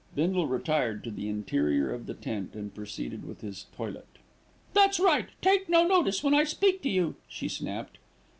Bindle retired to the interior of the tent and proceeded with his toilet. "That's right, take no notice when I speak to you," she snapped.